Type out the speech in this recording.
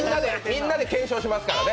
みんなで検証しますからね。